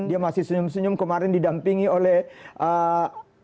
dia masih senyum senyum kemarin didampingi oleh eee